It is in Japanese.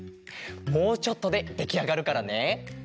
もうちょっとでできあがるからね！